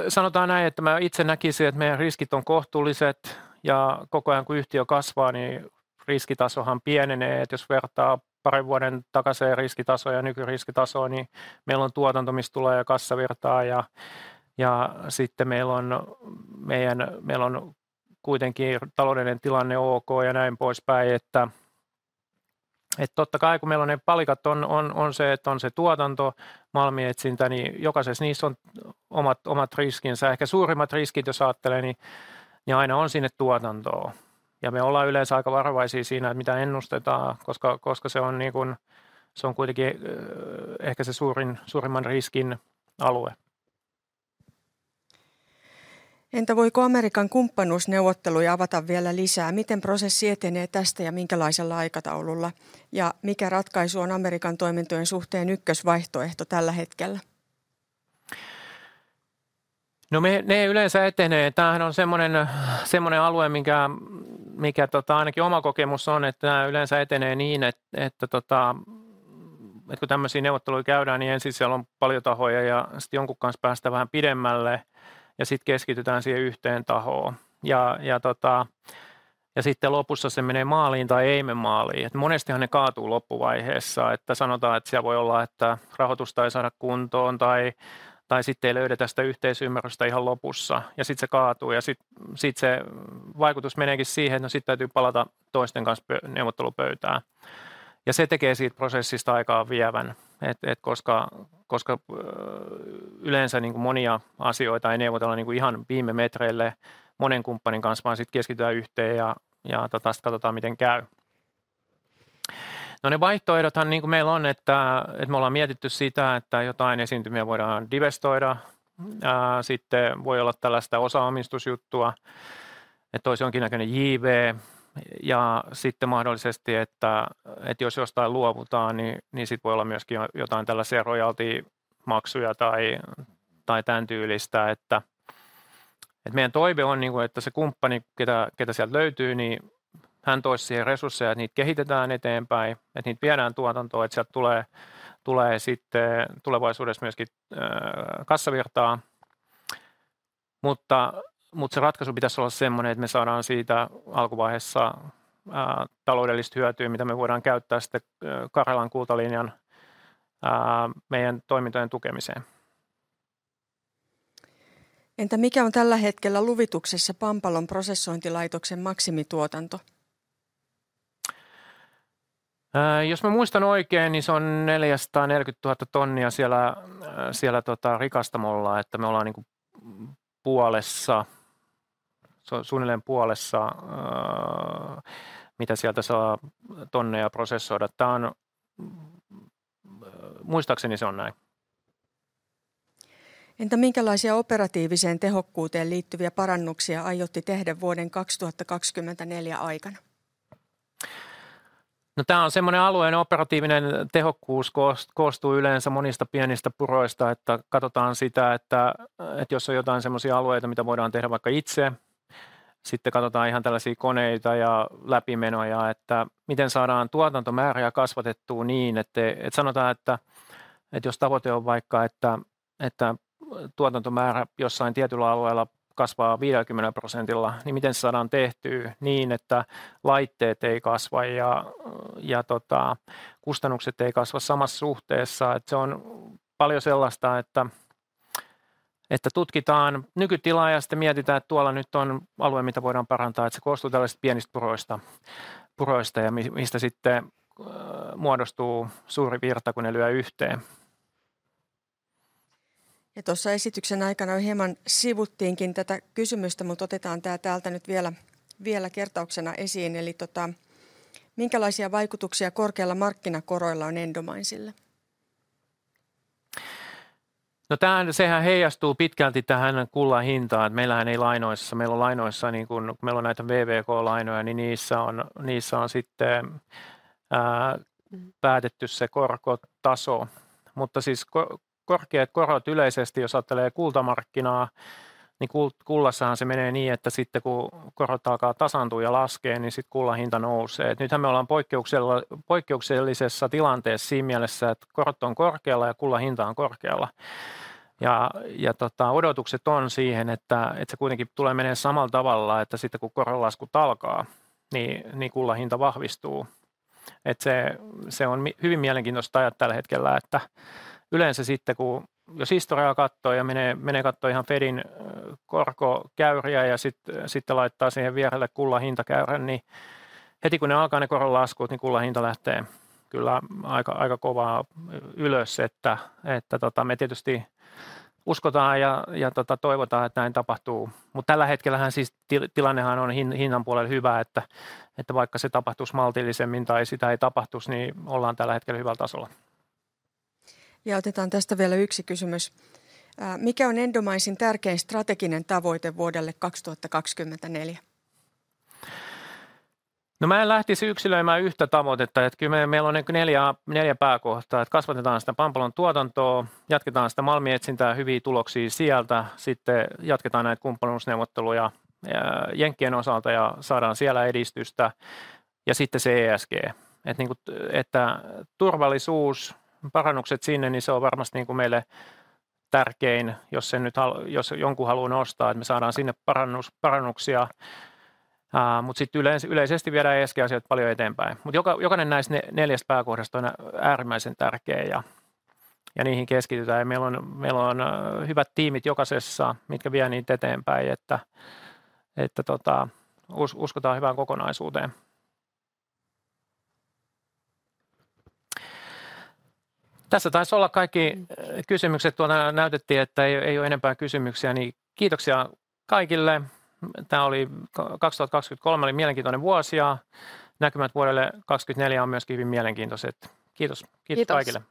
Sanoisin näin, että mä itse näkisin, että meidän riskit on kohtuulliset, ja koko ajan kun yhtiö kasvaa, niin riskitaso pienenee. Jos vertaa parin vuoden takaiseen riskitasoon ja nykyriskitasoon, niin meillä on tuotanto, mistä tulee kassavirtaa, ja sitten meillä on meidän, meillä on kuitenkin taloudellinen tilanne ok ja näin poispäin. Totta kai, kun meillä on ne palikat, on se tuotanto, malminetsintä, niin jokaisessa niissä on omat riskinsä. Ehkä suurimmat riskit, jos ajattelee, niin ne aina on sinne tuotantoon. Me ollaan yleensä aika varovaisia siinä, mitä ennustetaan, koska se on kuitenkin ehkä se suurimman riskin alue. Entä voiko Amerikan kumppanuusneuvotteluja avata vielä lisää? Miten prosessi etenee tästä ja minkälaisella aikataululla? Ja mikä ratkaisu on Amerikan toimintojen suhteen ykkösvaihtoehto tällä hetkellä? No me, ne yleensä etenee. Tämähän on sellainen alue, minkä, mikä ainakin oma kokemus on, että nämä yleensä etenee niin, että kun tällaisia neuvotteluja käydään, niin ensin siellä on paljon tahoja ja sitten jonkun kanssa päästään vähän pidemmälle, ja sitten keskitytään siihen yhteen tahoon. Ja sitten lopussa se menee maaliin tai ei mene maaliin, että monestihan ne kaatuu loppuvaiheessa. Että sanotaan, että siellä voi olla, että rahoitusta ei saada kuntoon tai sitten ei löydetä sitä yhteisymmärrystä ihan lopussa ja sitten se kaatuu. Ja sitten se vaikutus meneekin siihen, että no sitten täytyy palata toisten kanssa neuvottelupöytään, ja se tekee siitä prosessista aikaa vievän. Että koska yleensä niinkuin monia asioita ei neuvotella niinkuin ihan viime metreille monen kumppanin kanssa, vaan sitten keskitytään yhteen ja katsotaan, miten käy. No ne vaihtoehdot meillä on, että me ollaan mietitty sitä, että jotain esiintymiä voidaan divestoida. Sitten voi olla tällaista osaomistusjuttua, että ois jonkinnäkönen JV. Ja sitten mahdollisesti, että jos jostain luovutaan, niin sit voi olla myöskin jotain tällaisia rojaltimaksuja tai tän tyylistä. Että meidän toive on, että se kumppani, ketä sieltä löytyy, niin hän tois siihen resursseja, että niitä kehitetään eteenpäin, että niitä viedään tuotantoon, että sieltä tulee tulevaisuudessa myöskin kassavirtaa. Mutta se ratkaisu pitäis olla semmonen, että me saadaan siitä alkuvaiheessa taloudellista hyötyä, mitä me voidaan käyttää sitten Karjalan kultalinjan meidän toimintojen tukemiseen. Entä mikä on tällä hetkellä luvituksessa Pampalon prosessointilaitoksen maksimituotanto? Jos mä muistan oikein, niin se on neljäkymmentäneljätuhatta tonnia siellä rikastamolla, että me ollaan niinku puolessa, se on suunnilleen puolessa mitä sieltä saa tonneja prosessoida. Tää on muistaakseni se on näin. Entä minkälaisia operatiiviseen tehokkuuteen liittyviä parannuksia aiotte tehdä vuoden 2024 aikana? No tää on semmonen alue, operatiivinen tehokkuus koostuu yleensä monista pienistä puroista, että katotaan sitä, että jos on jotain semmosia alueita, mitä voidaan tehdä vaikka itse. Sitten katotaan ihan tällaisia koneita ja läpimenoja, että miten saadaan tuotantomääriä kasvatettua niin, että sanotaan, että jos tavoite on vaikka että tuotantomäärä jossain tietyllä alueella kasvaa 50%, niin miten se saadaan tehtyä niin, että laitteet ei kasva ja kustannukset ei kasva samassa suhteessa? Se on paljon sellaista, että tutkitaan nykytilaa ja sitten mietitään, että tuolla nyt on alue, mitä voidaan parantaa. Se koostuu tällaisista pienistä puroista, ja mistä sitten muodostuu suuri virta, kun ne lyö yhteen. Ja tuossa esityksen aikana hieman sivuttiinkin tätä kysymystä, mutta otetaan tämä täältä nyt vielä kertauksena esiin. Eli siis, minkälaisia vaikutuksia korkeilla markkinakoroilla on Endominesille? No tämähän heijastuu pitkälti tähän kullan hintaan, että meillähän ei lainoissa, meillä on lainoissa niin kuin meillä on näitä VVK-lainoja, niin niissä on sitten päätetty se korkotaso. Mutta korkeat korot yleisesti, jos ajattelee kultamarkkinaa, niin kullassahan se menee niin, että sitten kun korot alkaa tasaantua ja laskea, niin sitten kullan hinta nousee. Nythän me ollaan poikkeuksellisessa tilanteessa siinä mielessä, että korot on korkealla ja kullan hinta on korkealla. Ja odotukset on siihen, että se kuitenkin tulee menemään samalla tavalla, että sitten kun koronlaskut alkaa, niin kullan hinta vahvistuu. Se on hyvin mielenkiintoista aikaa tällä hetkellä, että yleensä sitten kun jos historiaa katsoo ja menee katsomaan ihan Fedin korkokäyriä ja sitten laittaa siihen vierelle kullan hintakäyrän, niin heti kun ne alkaa ne koronlaskut, niin kullan hinta lähtee kyllä aika kovaa ylös. Että me tietysti uskotaan ja toivotaan, että näin tapahtuu. Mutta tällä hetkellähän siis tilanne on hinnan puolella hyvä, että vaikka se tapahtuis maltillisemmin tai sitä ei tapahtuis, niin ollaan tällä hetkellä hyvällä tasolla. Ja otetaan tästä vielä yksi kysymys. Mikä on Endomaisen tärkein strateginen tavoite vuodelle 2024? No mä en lähtisi yksilöimään yhtä tavoitetta, että kyllä me, meillä on niinkuin neljä, neljä pääkohtaa, että kasvatetaan sitä Pampalon tuotantoa, jatketaan sitä malminetsintää, hyviä tuloksia sieltä. Sitten jatketaan näitä kumppanuusneuvotteluja jenkkien osalta ja saadaan siellä edistystä. Ja sitten se ESG, että niinkuin, että turvallisuus, parannukset sinne, niin se on varmasti niinkuin meille tärkein, jos sen nyt haluaa, jos jonkun haluaa nostaa, että me saadaan sinne parannuksia. Mutta sitten yleensä, yleisesti viedään ESG-asiat paljon eteenpäin. Mutta jokainen, jokainen näistä neljästä pääkohdasta on äärimmäisen tärkeä ja niihin keskitytään. Ja meillä on hyvät tiimit jokaisessa, mitkä vie niitä eteenpäin, että uskotaan hyvään kokonaisuuteen. Tässä taisi olla kaikki kysymykset. Tuolla näytettiin, että ei ole enempää kysymyksiä, niin kiitoksia kaikille! Tämä oli 2023 oli mielenkiintoinen vuosi ja näkymät vuodelle 2024 on myöskin hyvin mielenkiintoiset. Kiitos, kiitos kaikille.